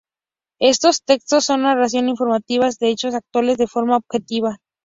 Estos textos son narraciones informativas de hechos actuales de forma objetiva.